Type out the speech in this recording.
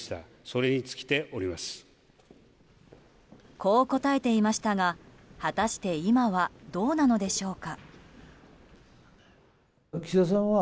こう答えていましたが果たして今はどうなのでしょうか。